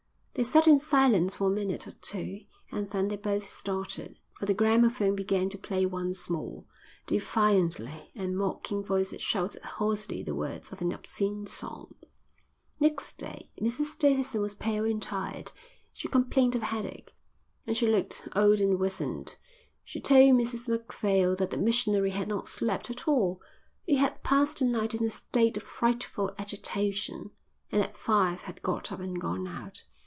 They sat in silence for a minute or two and then they both started, for the gramophone began to play once more, defiantly, and mocking voices shouted hoarsely the words of an obscene song. Next day Mrs Davidson was pale and tired. She complained of headache, and she looked old and wizened. She told Mrs Macphail that the missionary had not slept at all; he had passed the night in a state of frightful agitation and at five had got up and gone out.